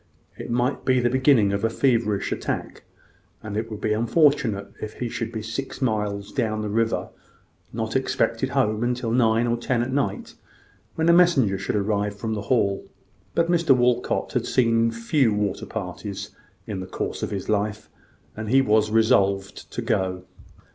It might be the beginning of a feverish attack; and it would be unfortunate if he should be six miles down the river not expected home till nine or ten at night, when a messenger should arrive from the Hall. But Mr Walcot had seen few water parties in the course of his life, and he was resolved to go.